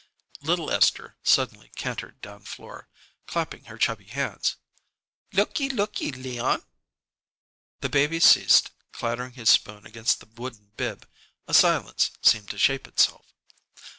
Little Esther suddenly cantered down floor, clapping her chubby hands. "Lookie lookie Leon!" The baby ceased clattering his spoon against the wooden bib. A silence seemed to shape itself.